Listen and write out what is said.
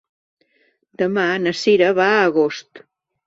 Demà na Cira va a Agost.